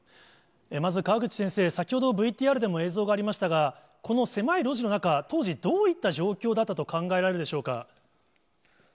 まず川口先生、先ほどＶＴＲでも映像がありましたが、この狭い路地の中、当時、どういった状況だったと考えられるでしょうか。